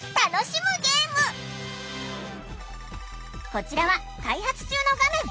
こちらは開発中の画面。